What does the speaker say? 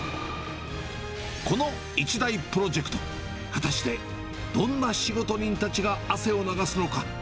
この一大プロジェクト、果たしてどんな仕事人たちが汗を流すのか。